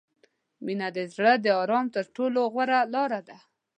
• مینه د زړه د آرام تر ټولو غوره لاره ده.